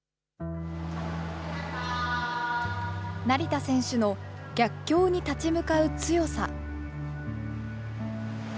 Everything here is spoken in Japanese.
成田選手の逆境に立ち向かう強さ。